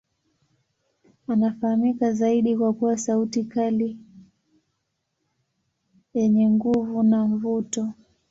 Anafahamika zaidi kwa kuwa sauti kali yenye nguvu na mvuto.